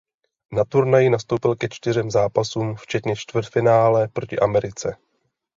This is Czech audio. Na turnaji nastoupil ke čtyřem zápasům včetně čtvrtfinále proti Americe.